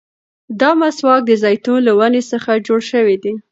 دا مسواک د زيتون له ونې څخه جوړ شوی دی.